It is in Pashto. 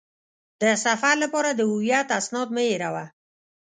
د سفر لپاره د هویت اسناد مه هېروه.